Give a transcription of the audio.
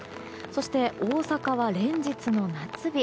そして、大阪は連日の夏日。